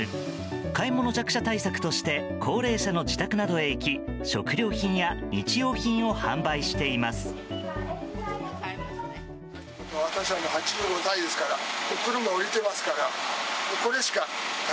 買い物弱者対策として高齢者の自宅などに行き食料品や日用品を販売しています。